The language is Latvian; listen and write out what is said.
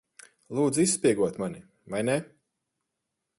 Lūdza izspiegot mani, vai ne?